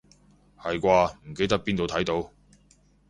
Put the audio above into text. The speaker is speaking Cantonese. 係啩，唔記得邊度睇到